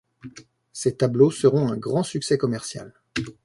Ses tableaux seront un grand succès commercial.